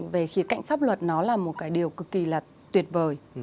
về khía cạnh pháp luật nó là một cái điều cực kỳ là tuyệt vời